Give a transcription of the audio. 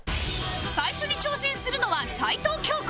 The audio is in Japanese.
最初に挑戦するのは齊藤京子